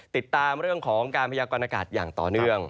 ติดตามเรื่องของการพยากรณากาศอย่างต่อเนื่อง